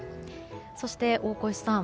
そして、大越さん